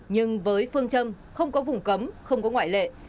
nhưng với phương châm không có vùng cấm không có ngoại lệ